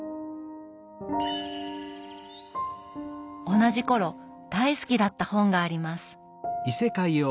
同じ頃大好きだった本があります。